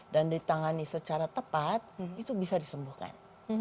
dan ditangani secara tepat itu bisa disembuhkan